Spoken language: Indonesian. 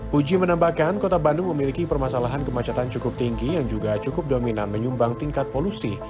puji menambahkan kota bandung memiliki permasalahan kemacetan cukup tinggi yang juga cukup dominan menyumbang tingkat polusi